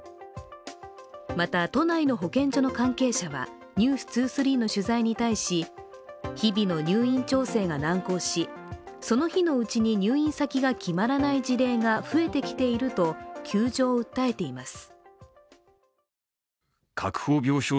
また都内の保健所の関係者は「ｎｅｗｓ２３」の取材に対し、日々の入院調整が難航し、その日のうちに入院先が決まらない事例が増えてきていると窮状を訴えています。